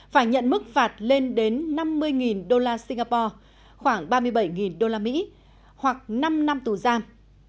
phải nhận mức phạt lên đến năm mươi usd khoảng ba mươi bảy usd hoặc năm năm tù giam